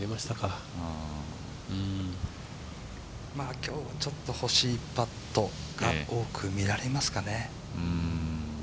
今日、ちょっとほしいパットが多く見られますかね。